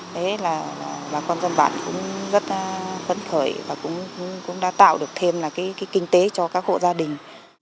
đấy là bà con dân bản cũng rất phấn khởi và cũng đã tạo được thêm là cái kinh tế cho các hộ gia đình